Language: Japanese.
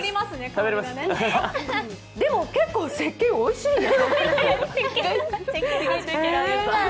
でも、結構せっけん、おいしいね。